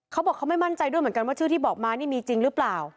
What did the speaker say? เขาบอกเขาไม่มั่นใจด้วยเหมือนกันว่าชื่อที่บอกมานี่มีจริงหรือเปล่า